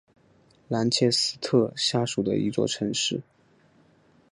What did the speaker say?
兰切斯特下属的一座城市。